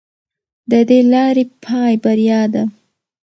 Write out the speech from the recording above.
د دې لارې پای بریا ده.